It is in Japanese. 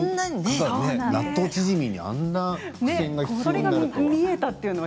納豆チヂミに、あんな付箋が必要になるとは。